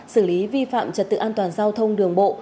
xử lý vi phạm trật tự an toàn giao thông đường bộ